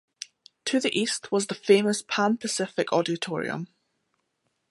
To the east was the famous Pan-Pacific Auditorium.